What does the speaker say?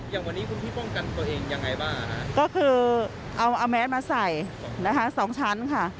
อย่างวันนี้คุณที่ป้องกันตัวเองอย่างไรบ้างครับ